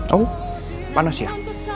oh panas ya